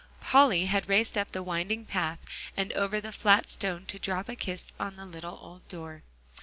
Polly had raced up the winding path, and over the flat stone to drop a kiss on the little old door.